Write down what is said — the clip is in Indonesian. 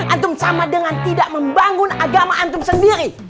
antum sama dengan tidak membangun agama antum sendiri